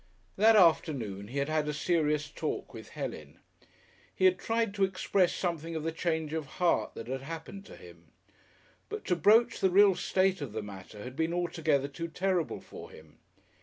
That afternoon he had had a serious talk with Helen. He had tried to express something of the change of heart that had happened to him. But to broach the real state of the matter had been altogether too terrible for him.